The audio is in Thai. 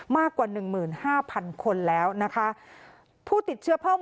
มากกว่า๑๕๐๐๐คนแล้วผู้ติดเชื้อภ่องวันนี้